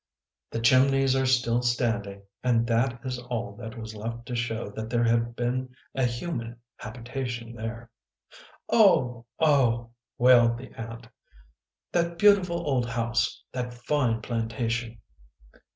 " The chimneys are still standing and that is all that was left to show that there had been a human habitation there." "Oh! Oh!" wailed the aunt, "that beautiful old house ! That fine plantation